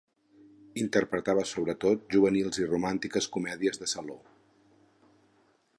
Interpretava sobretot juvenils i romàntiques comèdies de saló.